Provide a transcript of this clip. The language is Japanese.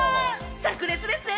さく裂ですね。